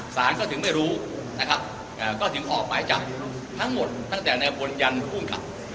สารก็ถึงไม่รู้ก็ถึงออกไปจากทั้งหมดตั้งแต่ในฝนยันภูมิขับ